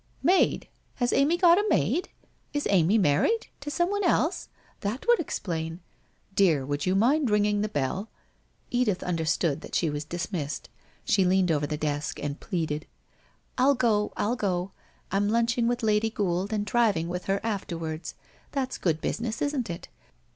' Maid ! Has Amy got a maid ? Is Amy married ? To someone else? That would explain ' 1 Dear, would you mind ringing the bell ?' Edith understood that she was dismissed. tShe leaned over the desk and pleaded. ' I'll go. I'll go. I'm lunching with Lady Gould, and driving with her afterwards. That's good business, isn't it